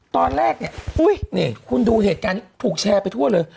ตอนแรกคุณดูเหตุการณ์ถูกแชร์ไปทั่วเลย